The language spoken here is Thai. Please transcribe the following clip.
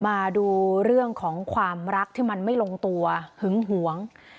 มาดูเรื่องของความรักที่มันไม่ลงตัวหึงหวง